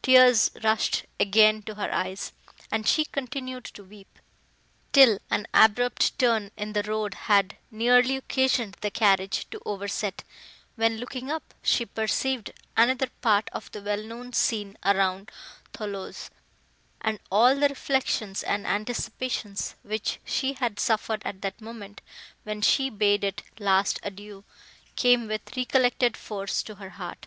Tears rushed again to her eyes, and she continued to weep, till an abrupt turn in the road had nearly occasioned the carriage to overset, when, looking up, she perceived another part of the well known scene around Thoulouse, and all the reflections and anticipations, which she had suffered, at the moment, when she bade it last adieu, came with recollected force to her heart.